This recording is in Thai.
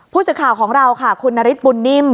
ผู้สึกข่าวของเราค่ะคุณนาริสปุ่นนิ่ม